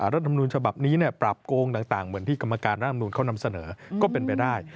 รัฐมนุนฉบับนี้ปรับโกงต่างเหมือนที่กรรมการร่างนูลเขานำเสนอก็เป็นไปได้